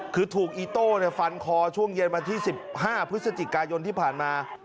คือถูกอีโต้ฟันคอช่วงเย็นวันที่๑๕พฤศจิกายนที่ผ่านมา